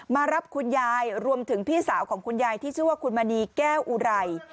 มารับคุณยายรวมถึงพี่สาวของคุณยายที่ชื่อว่าคุณมณีแก้วอุไร